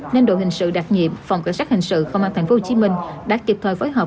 nên đội hình sự đặc nhiệm phòng cảnh sát hình sự công an tp hcm đã kịp thời phối hợp